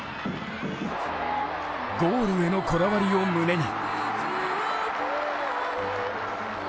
ゴールへのこだわりを胸に。